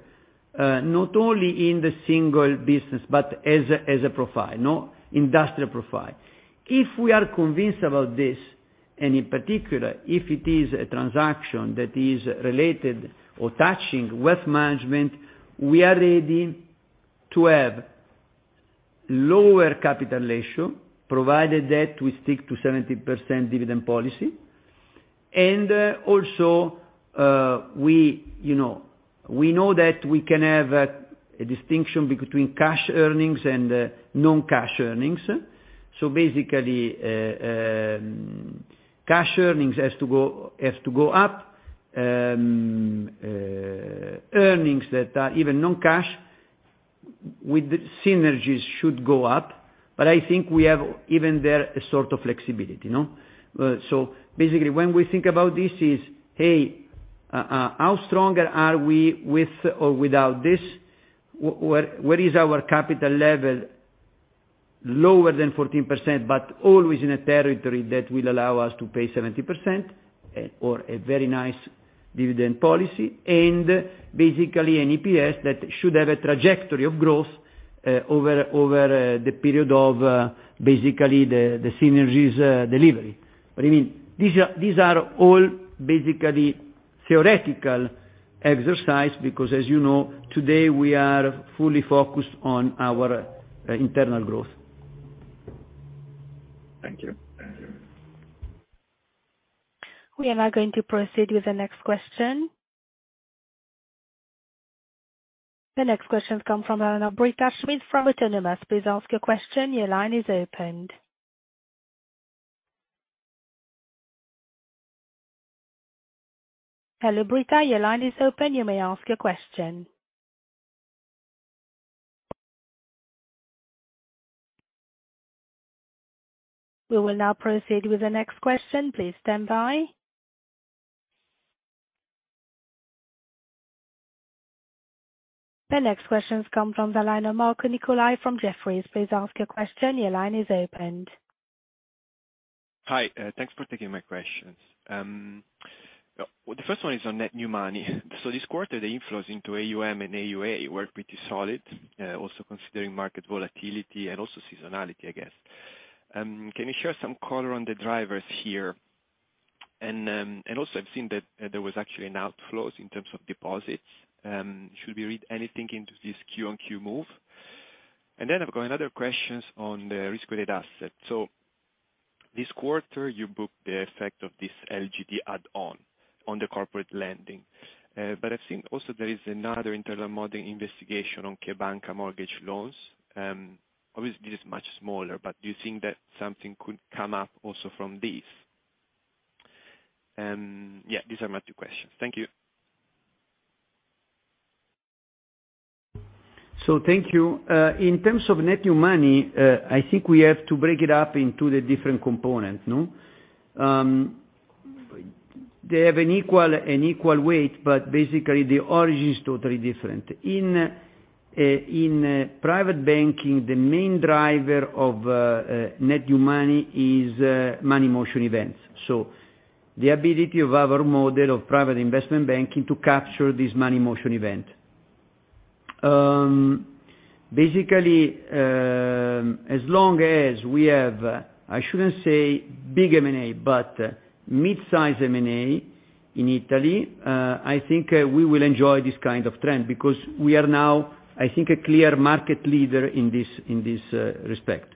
not only in the single business, but as a profile, no? Industrial profile. If we are convinced about this, and in particular, if it is a transaction that is related or touching wealth management, we are ready to have lower capital ratio, provided that we stick to 70% dividend policy. Also, we, you know, we know that we can have a distinction between cash earnings and non-cash earnings. So basically, cash earnings has to go up. Earnings that are even non-cash, with synergies, should go up, but I think we have even there a sort of flexibility, you know? Basically, when we think about this, hey, how stronger are we with or without this? Where is our capital level lower than 14%, but always in a territory that will allow us to pay 70% or a very nice dividend policy, and basically an EPS that should have a trajectory of growth over the period of basically the synergies delivery. I mean, these are all basically theoretical exercise because, as you know, today we are fully focused on our internal growth. Thank you. We are now going to proceed with the next question. The next question comes from Britta Schmidt from Autonomous. Please ask your question. Your line is opened. Hello, Britta, your line is open. You may ask your question. We will now proceed with the next question. Please stand by. The next question comes from the line of Marco Nicolai from Jefferies. Please ask your question. Your line is opened. Hi, thanks for taking my questions. The first one is on net new money. This quarter, the inflows into AUM and AUA were pretty solid, also considering market volatility and also seasonality, I guess. Can you share some color on the drivers here? I've seen that there was actually an outflows in terms of deposits. Should we read anything into this Q-on-Q move? I've got another questions on the risk-weighted asset. This quarter, you booked the effect of this LGD add-on on the corporate lending. I've seen also there is another internal modeling investigation on CheBanca! mortgage loans. Obviously this is much smaller, but do you think that something could come up also from this? Yeah, these are my two questions. Thank you. Thank you. In terms of net new money, I think we have to break it up into the different components, no? They have an equal weight, but basically the origin is totally different. In private banking, the main driver of net new money is money motion events, so the ability of our model of private investment banking to capture this money motion event. Basically, as long as we have, I shouldn't say big M&A, but mid-size M&A in Italy, I think we will enjoy this kind of trend because we are now, I think, a clear market leader in this respect.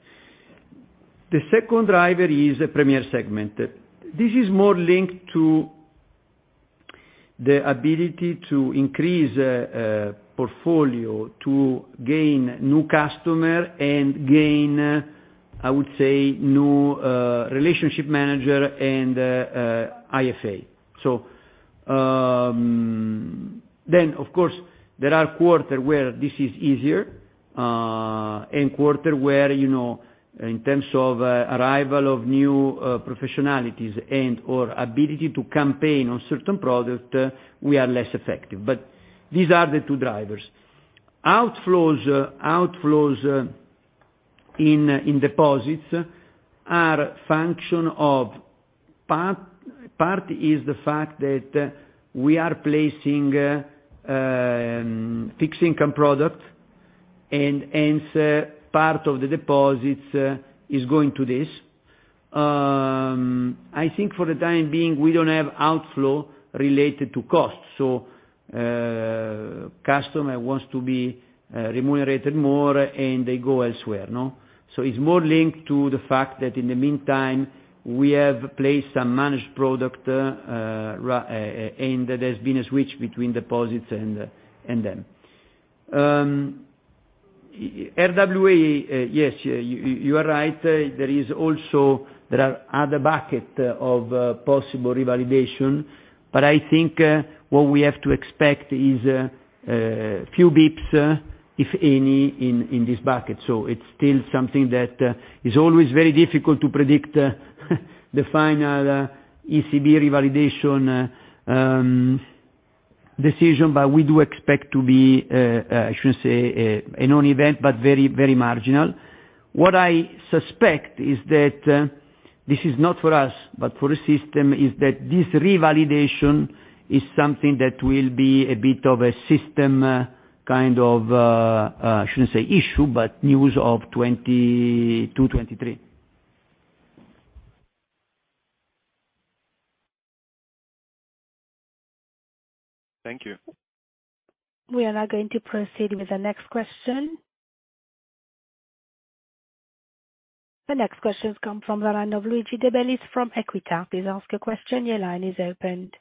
The second driver is the premier segment. This is more linked to the ability to increase portfolio to gain new customer and gain, I would say, new relationship manager and IFA. Of course there are quarter where this is easier and quarter where, you know, in terms of arrival of new professionalities and/or ability to campaign on certain product we are less effective. These are the two drivers. Outflows in deposits are a function of part. Part is the fact that we are placing fixed income product and hence part of the deposits is going to this. I think for the time being, we don't have outflow related to cost, so customer wants to be remunerated more and they go elsewhere, no? It's more linked to the fact that in the meantime we have placed some managed product, and there's been a switch between deposits and them. RWA, yes, you are right. There are other buckets of possible revalidation. I think what we have to expect is few beeps, if any, in this bucket. It's still something that is always very difficult to predict, the final ECB revalidation decision, but we do expect to be, I shouldn't say a non-event, but very, very marginal. What I suspect is that this is not for us but for the system, is that this revalidation is something that will be a bit of a system kind of, I shouldn't say issue, but news of 2022, 2023. Thank you. We are now going to proceed with the next question. The next question comes from the line of Luigi De Bellis from Equita. Please ask your question. Your line is opened.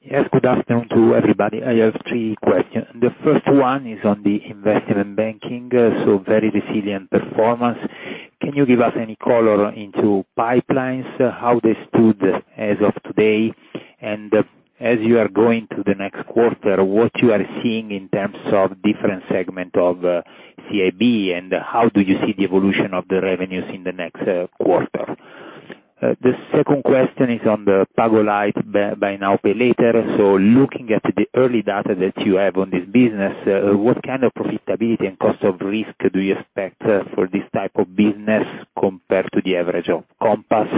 Yes. Good afternoon to everybody. I have three questions. The first one is on the investment banking, so very resilient performance. Can you give us any color into pipelines, how they stood as of today? And as you are going to the next quarter, what you are seeing in terms of different segment of CIB and how do you see the evolution of the revenues in the next quarter? The second question is on the PagoLight, Buy Now Pay Later. Looking at the early data that you have on this business, what kind of profitability and cost of risk do you expect for this type of business compared to the average of Compass?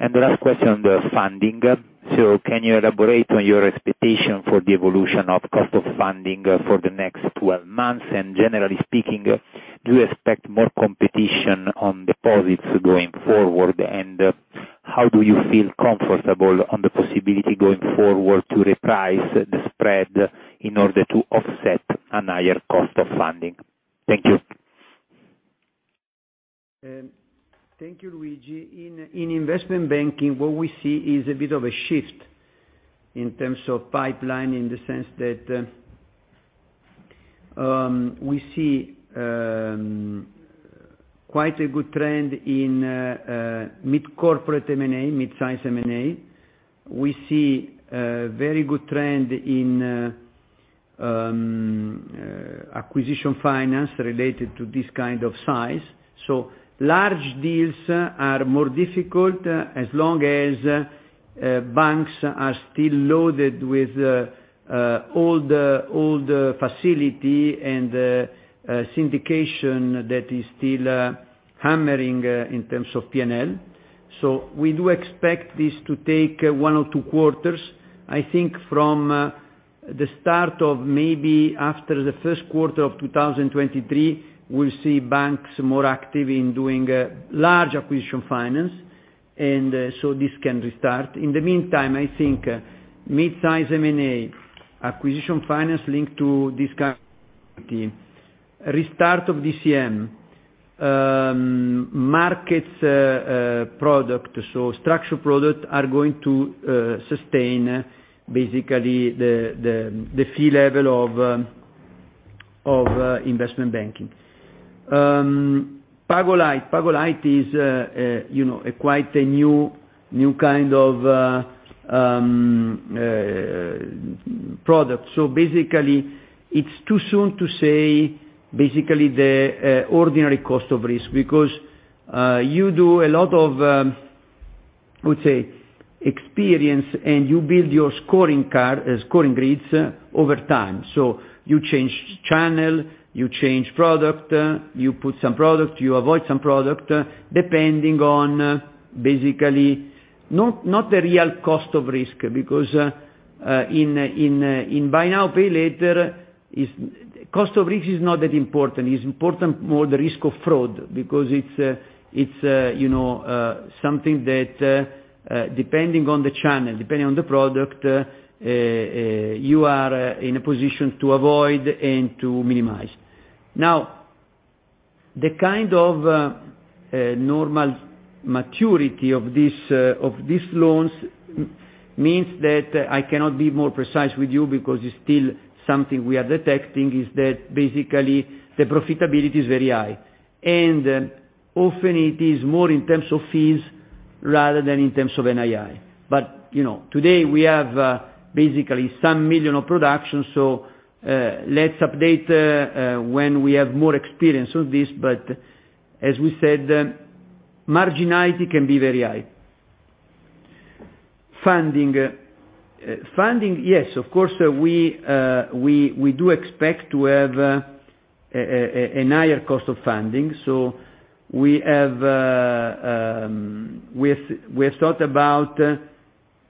The last question on the funding. Can you elaborate on your expectation for the evolution of cost of funding for the next 12 months? Generally speaking, do you expect more competition on deposits going forward? How do you feel comfortable on the possibility going forward to reprice the spread in order to offset a higher cost of funding? Thank you. Thank you, Luigi. In investment banking, what we see is a bit of a shift in terms of pipeline in the sense that we see quite a good trend in mid-corporate M&A, mid-size M&A. We see a very good trend in acquisition finance related to this kind of size. Large deals are more difficult as long as banks are still loaded with old facility and syndication that is still hammering in terms of P&L. We do expect this to take one or two quarters. I think from the start of maybe after the first quarter of 2023, we'll see banks more active in doing large acquisition finance. This can restart. In the meantime, I think mid-size M&A acquisition finance linked to this kind of team, restart of DCM markets, structured products are going to sustain basically the fee level of investment banking. PagoLight. PagoLight is you know a quite new kind of product. So basically, it's too soon to say basically the ordinary cost of risk because you do a lot of let's say experimentation, and you build your scorecard, scoring grids over time. So you change channel, you change product, you put some product, you avoid some product depending on basically not the real cost of risk because in Buy Now Pay Later, cost of risk is not that important. It's important more the risk of fraud because it's a, you know, something that, depending on the channel, depending on the product, you are in a position to avoid and to minimize. Now, the kind of normal maturity of this, of these loans means that I cannot be more precise with you because it's still something we are detecting, is that basically the profitability is very high. Often it is more in terms of fees rather than in terms of NII. You know, today we have basically some million of production, so let's update when we have more experience on this. Marginality can be very high. Funding. Funding, yes, of course, we do expect to have a higher cost of funding. We have thought about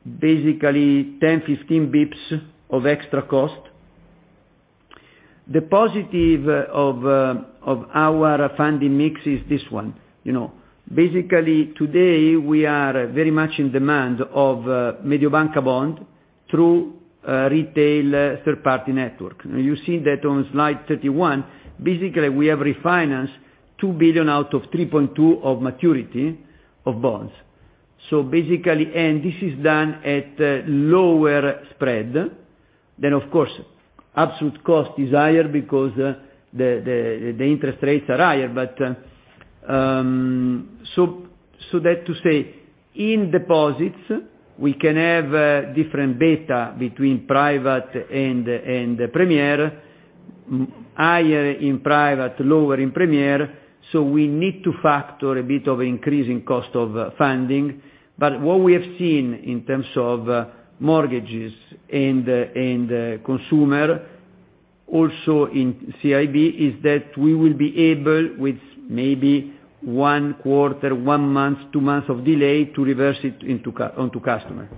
basically 10, 15 basis points of extra cost. The positive of our funding mix is this one, you know. Basically, today, we are very much in demand of Mediobanca bond through retail third party network. Now you see that on slide 31, basically, we have refinanced 2 billion out of 3.2 billion of maturity of bonds. This is done at a lower spread than, of course, absolute cost is higher because the interest rates are higher. But that to say, in deposits, we can have different data between private and Premier. Higher in private, lower in Premier, so we need to factor a bit of increase in cost of funding. What we have seen in terms of mortgages and consumer, also in CIB, is that we will be able, with maybe one quarter, one month, two months of delay, to reverse it onto customer.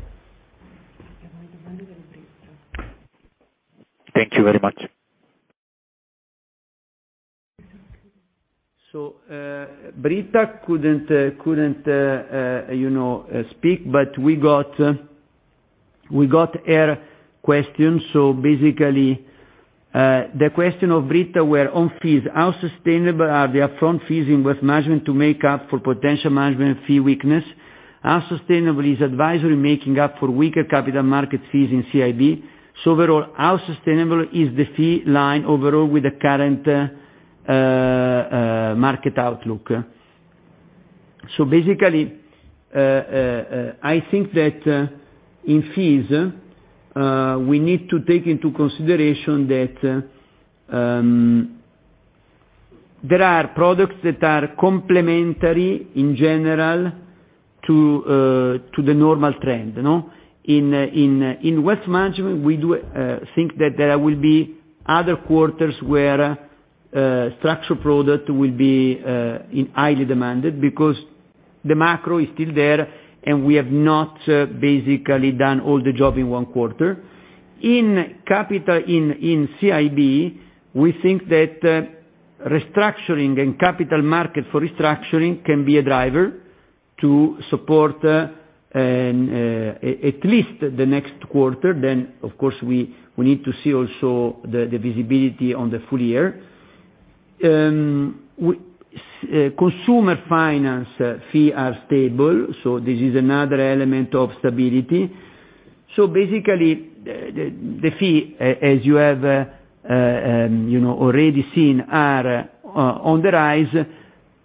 Thank you very much. Britta couldn't, you know, speak, but we got her question. Basically, the question of Britta were on fees, how sustainable are the upfront fees in wealth management to make up for potential management fee weakness? How sustainable is advisory making up for weaker capital market fees in CIB? Overall, how sustainable is the fee line overall with the current market outlook? Basically, I think that in fees, we need to take into consideration that there are products that are complementary in general to the normal trend, you know. In wealth management, we think that there will be other quarters where structured products will be in high demand because the macro is still there, and we have not basically done all the job in one quarter. In CIB, we think that restructuring and capital markets for restructuring can be a driver to support at least the next quarter. Of course, we need to see also the visibility on the full year. Consumer Finance fees are stable, so this is another element of stability. Basically, the fees, as you have, you know, already seen are on the rise.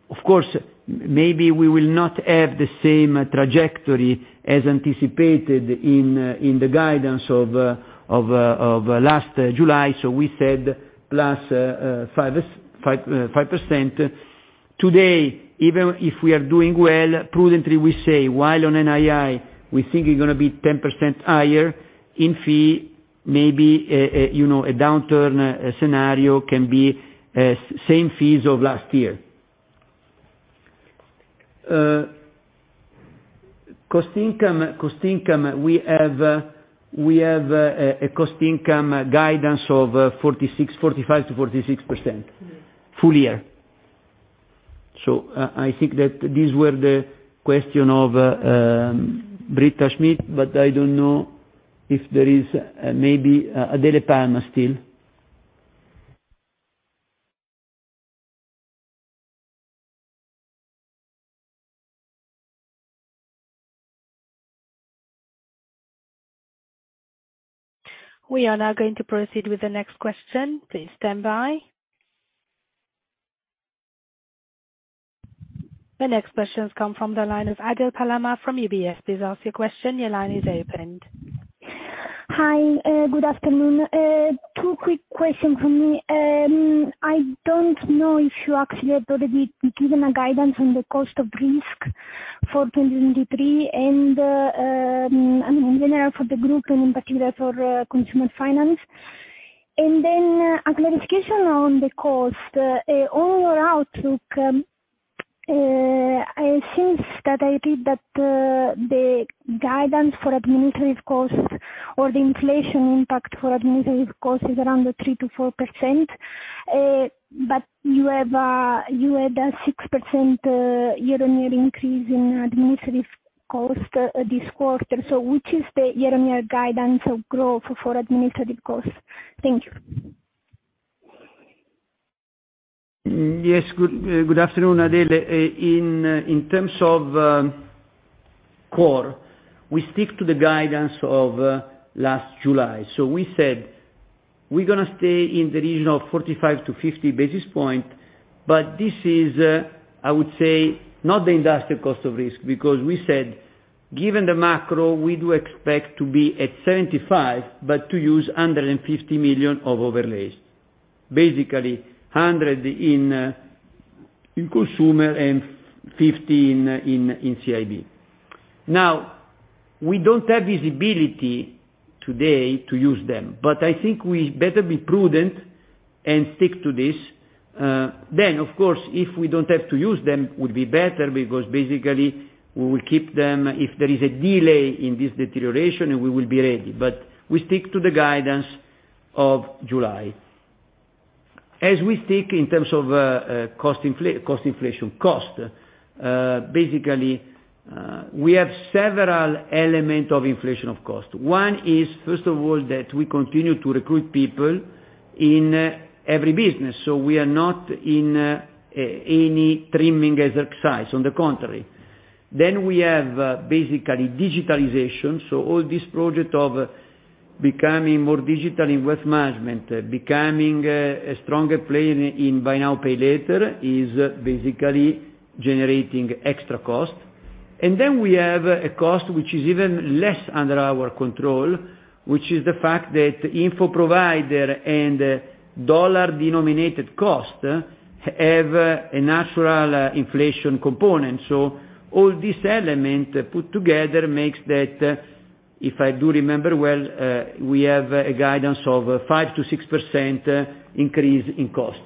Of course, maybe we will not have the same trajectory as anticipated in the guidance of last July, so we said +5%. Today, even if we are doing well, prudently we say, while on NII, we think we're gonna be 10% higher in fees, you know, a downturn scenario can be same fees as last year. Cost/income, we have a cost/income guidance of 45%-46%. Full year. I think that these were the question of Britta Schmidt, but I don't know if there is maybe Adele Palama still. We are now going to proceed with the next question. Please stand by. The next question comes from the line of Adele Palama from UBS. Please ask your question. Your line is open. Hi, good afternoon. Two quick questions from me. I don't know if you actually have already given a guidance on the cost of risk for 2023, and, I mean, in general, for the group and in particular for, Consumer Finance. Then a clarification on the cost, overall outlook, it seems that I read that, the guidance for administrative costs or the inflation impact for administrative costs is around the 3%-4%. But you had a 6% year-on-year increase in administrative cost, this quarter. Which is the year-on-year guidance of growth for administrative costs? Thank you. Yes. Good afternoon, Adele. In terms of core, we stick to the guidance of last July. We said, we're gonna stay in the region of 45-50 basis points, but this is, I would say not the industrial cost of risk, because we said, given the macro, we do expect to be at 75, but to use 150 million of overlays. Basically, 100 million in consumer and 50 million in CIB. Now, we don't have visibility today to use them, but I think we better be prudent and stick to this. Of course, if we don't have to use them, would be better because basically we will keep them if there is a delay in this deterioration, and we will be ready. We stick to the guidance of July. As we stick in terms of cost inflation, basically, we have several element of inflation of cost. One is, first of all, that we continue to recruit people in every business, so we are not in any trimming exercise. On the contrary. We have basically digitalization. All this project of becoming more digital in Wealth Management, becoming a stronger player in Buy Now Pay Later is basically generating extra cost. We have a cost which is even less under our control, which is the fact that info provider and dollar-denominated cost have a natural inflation component. All this element put together makes that, if I do remember well, we have a guidance of 5%-6% increase in cost,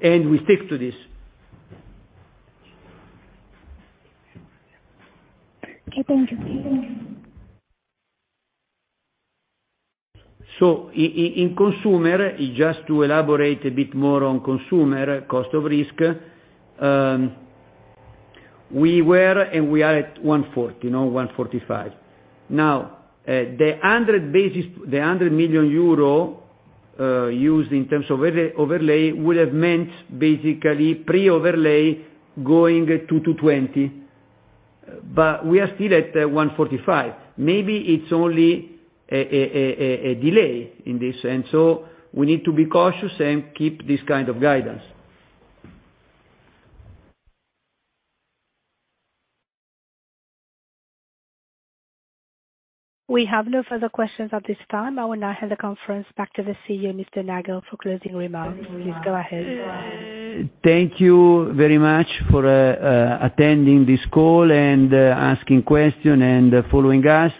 and we stick to this. Okay, thank you. In consumer, just to elaborate a bit more on consumer cost of risk, we were and we are at 140, now 145. The 100 basis, the 100 million euro used in terms of overlay would have meant basically pre-overlay going to 220, but we are still at 145. Maybe it's only a delay in this, and so we need to be cautious and keep this kind of guidance. We have no further questions at this time. I will now hand the conference back to the CEO, Mr. Nagel, for closing remarks. Please go ahead. Thank you very much for attending this call and asking question and following us.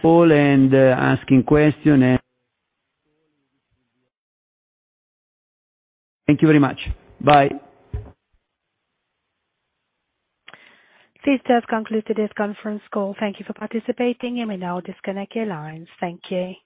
Thank you very much. Bye. This does conclude today's conference call. Thank you for participating. You may now disconnect your lines. Thank you.